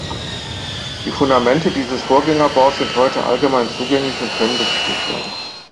Die Fundamente dieses Vorgängerbaus sind heute allgemein zugänglich und können besichtigt werden.